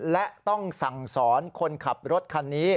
และต้องสั่งสอนคนขับรถคันนี้